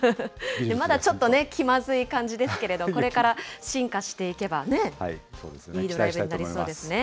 まだちょっとね、気まずい感じですけど、これから進化していけばね、いいドライブになりそうですね。